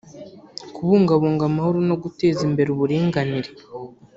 kubungabunga amahoro no guteza imbere uburinganire